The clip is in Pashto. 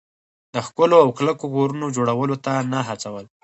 د ښکلو او کلکو کورونو جوړولو ته نه هڅول.